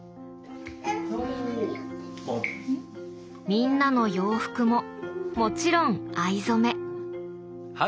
みんなの洋服ももちろん藍染め。